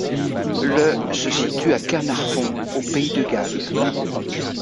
Le se situe à Caernarfon au pays de Galles.